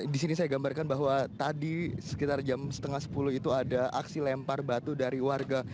di sini saya gambarkan bahwa tadi sekitar jam setengah sepuluh itu ada aksi lempar batu dari warga